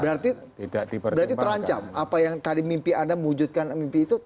berarti terancam apa yang tadi mimpi anda mewujudkan mimpi itu